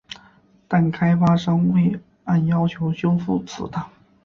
但开发商未按要求修复祠堂。